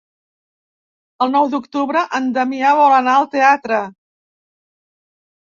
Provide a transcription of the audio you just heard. El nou d'octubre en Damià vol anar al teatre.